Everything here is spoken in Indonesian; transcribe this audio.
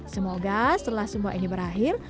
semoga setelah semua ini berakhir